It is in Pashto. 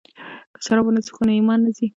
که شراب ونه څښو نو ایمان نه ځي.